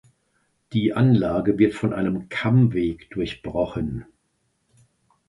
Die Anlage wird von einem Kammweg durchbrochen.